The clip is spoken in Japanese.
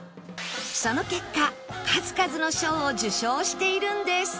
その結果数々の賞を受賞しているんです